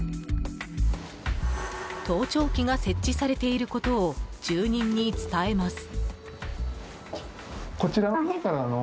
盗聴器が設置されていることを住人に伝えます。